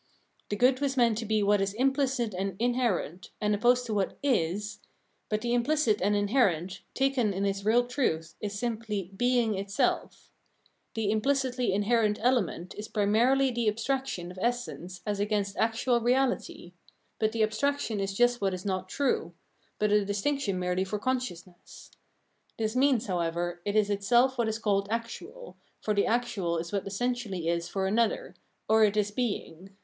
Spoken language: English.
The good was meant to be what is implicit and inherent, and opposed to what is ; but the imphcit and inherent, taken in its real truth, is simply heing itself. The implicitly inherent element is primarily the abstraction of essence as against actual reahty : but the abstraction is just what is not true, but a distinction merely for consciousness ; this means, however, it is itself what is called actual, for the actual Virtue and the Course of the World 377 is wtat essentially is for an other — or it is being.